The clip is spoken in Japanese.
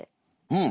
うん。